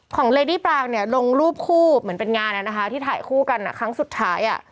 เลดี้ปรางเนี่ยลงรูปคู่เหมือนเป็นงานที่ถ่ายคู่กันครั้งสุดท้าย